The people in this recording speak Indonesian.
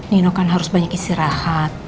nino kan harus banyak istirahat